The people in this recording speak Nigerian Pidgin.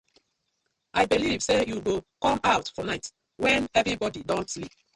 I belive say yu go com out for night wen everibodi don sleep.